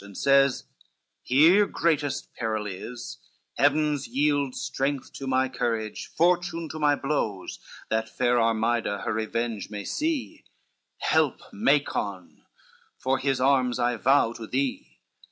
And says, "Here greatest peril is, heavens yield Strength to my courage, fortune to my blows, That fair Armida her revenge may see, Help, Macon, for his arms I vow to thee."